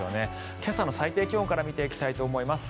今朝の最低気温から見ていきたいと思います。